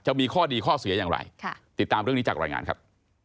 จะมีข้อดีข้อเสียอย่างไรติดตามเรื่องนี้จากรายงานครับ